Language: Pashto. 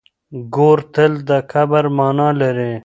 ګور تل د کبر مانا لري.